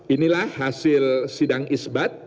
inilah hasil sidang isbat